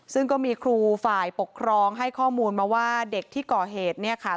ซึ่งก็มีครูฝ่ายปกครองให้ข้อมูลมาว่าเด็กที่ก่อเหตุเนี่ยค่ะ